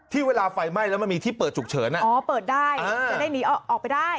เวลาไฟไหม้แล้วมันมีที่เปิดฉุกเฉินอ่ะอ๋อเปิดได้จะได้หนีออกไปได้